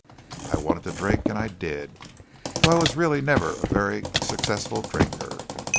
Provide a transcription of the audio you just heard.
I wanted to drink, and I did, though I was really never a very successful drinker."